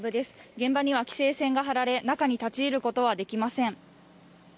現場には規制線が張られ中に立ち入ることはできません。